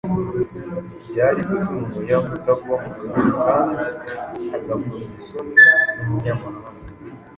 byari gutuma Umuyahudi agwa mu kantu kandi agakozwa isoni n’umunyamahanga.